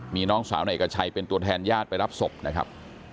มีน้องสาวนายเอกชัยเป็นตัวแทนญาติไปรับศพนะครับ